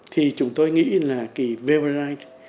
thì chúng tôi nghĩ là cái vovlive